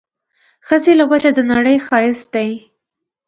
ښځې له وجه د نړۍ ښايست دی